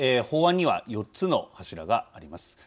法案には４つの柱があります。